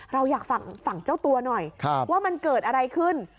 เราอยากฟังฝั่งเจ้าตัวหน่อยว่ามันเกิดอะไรขึ้น